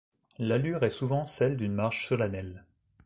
L'allure est souvent celle d'une marche solennelle.